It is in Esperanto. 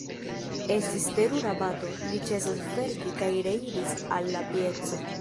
Estis terura bato: li ĉesas verki kaj reiris al la pieco.